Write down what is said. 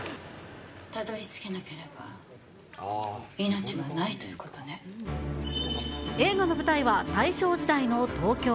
たどりつけなければ、命はな映画の舞台は大正時代の東京。